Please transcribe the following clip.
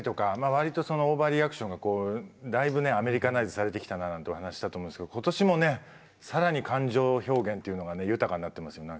割とオーバーリアクションがだいぶねアメリカナイズされてきたななんてお話したと思うんですけど今年もね更に感情表現っていうのがね豊かになってますよね。